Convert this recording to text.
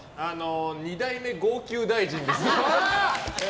二代目号泣大臣です。